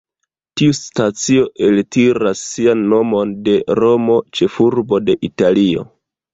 Tiu stacio eltiras sian nomon de Romo, ĉefurbo de Italio.